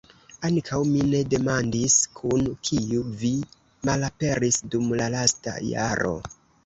Ankaŭ mi ne demandis, kun kiu vi malaperis dum la lasta jaro.